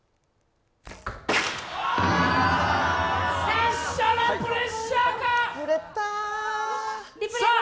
最初のプレッシャーか。